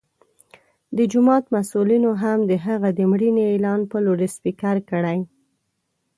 د جومات مسؤلینو هم د هغه د مړینې اعلان په لوډسپیکر کړی.